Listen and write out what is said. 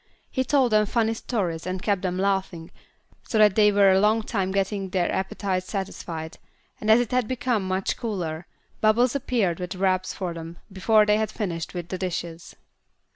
He told them funny stories and kept them laughing so that they were a long time getting their appetites satisfied, and as it had become much cooler, Bubbles appeared with wraps for them before they had finished with the dishes.